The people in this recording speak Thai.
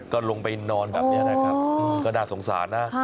ก็ลงไปนอนแบบนี้นะครับก็น่าสงสารนะ